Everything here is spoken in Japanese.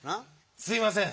すみません。